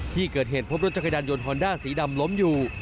ที่เกิดเหตุพบรถจักรยานยนต์ฮอนด้าสีดำล้มอยู่